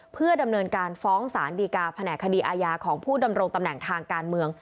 เพื่อดำเนินการฟ้องสารดีกาแผนกคดีอาญาของผู้ดำรงตำแหน่งทางการเมือง